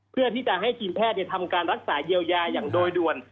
เพื่อที่จะให้ทีมแพทย์ทำการรักษาเยียวยาอย่างโดยด่วน